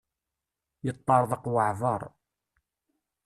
Yeṭṭerḍeq waεbar.